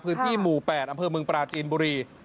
พื้นที่หมู่๘อำเภอเมืองปราจีนบุรี